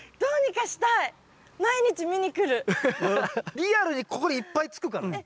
リアルにここにいっぱいつくからね。